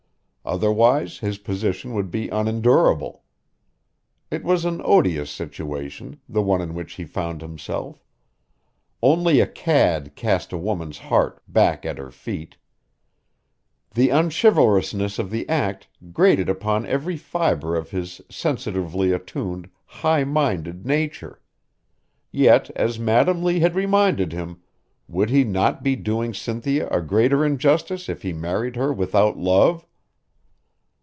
Otherwise his position would be unendurable. It was an odious situation, the one in which he found himself. Only a cad cast a woman's heart back at her feet. The unchivalrousness of the act grated upon every fiber of his sensitively attuned, high minded nature. Yet, as Madam Lee had reminded him, would he not be doing Cynthia a greater injustice if he married her without love.